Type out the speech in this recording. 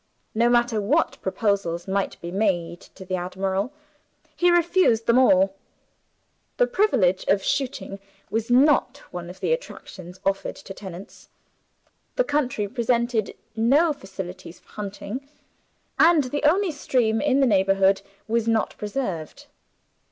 No matter what proposals might be made to the admiral, he refused them all. The privilege of shooting was not one of the attractions offered to tenants; the country presented no facilities for hunting; and the only stream in the neighborhood was not preserved.